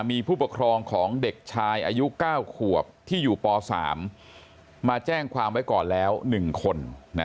มีผู้ปกครองของเด็กชายอายุ๙ขวบที่อยู่ป๓มาแจ้งความไว้ก่อนแล้ว๑คน